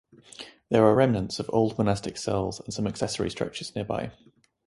There are remnants of old monastic cells and some accessory structures nearby.